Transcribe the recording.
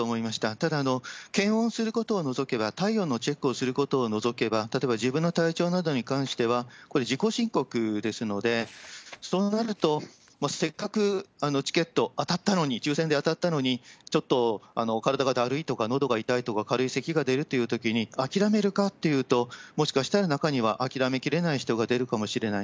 ただ、検温することを除けば、体温のチェックをすることを除けば、例えば自分の体調などに関してはやっぱり自己申告ですので、そうなると、せっかくチケット当たったのに、抽せんで当たったのに、ちょっと体がだるいとか、のどが痛いとか、軽いせきが出るというときに、諦めるかっていうと、もしかしたら中には諦めきれない人が出るかもしれない。